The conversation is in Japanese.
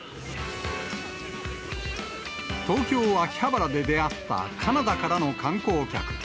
東京・秋葉原で出会ったカナダからの観光客。